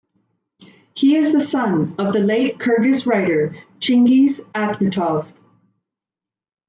He is the son of the late Kyrgyz writer Chinghiz Aitmatov.